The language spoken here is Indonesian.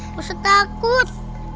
gak usah takut